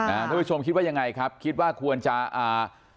ท่านผู้ชมคิดว่ายังไงครับคิดว่าควรจะอ่า